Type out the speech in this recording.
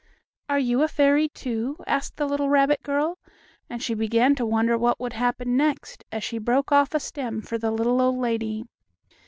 "Are you a fairy, too?" asked the little rabbit girl, and she began to wonder what would happen next as she broke off a stem for the old lady.